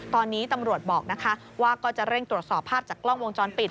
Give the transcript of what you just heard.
ตอนนี้ตำรวจบอกนะคะว่าก็จะเร่งตรวจสอบภาพจากกล้องวงจรปิด